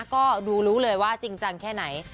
ก็รู้ไหมว่าจริงจังแค่ไหน